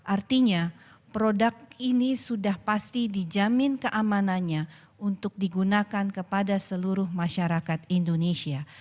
artinya produk ini sudah pasti dijamin keamanannya untuk digunakan kepada seluruh masyarakat indonesia